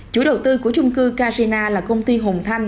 chủ đầu tư của chung cư karjina là công ty hồng thanh